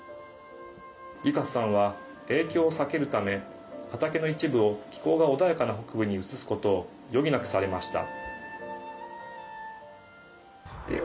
ギカスさんは影響を避けるため畑の一部を気候が穏やかな北部に移すことを余儀なくされました。